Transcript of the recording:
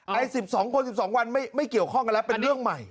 ไอ้๑๒คน๑๒วันไม่เกี่ยวข้องกันแล้วเป็นเรื่องใหม่